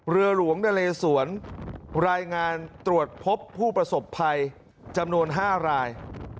เรือหลวงนาเลสวนรายงานตรวจพบผู้ประสบภัยจำนวน๕ราย